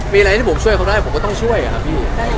มีอะไรที่ผมช่วยเขาได้ผมก็ต้องช่วยครับพี่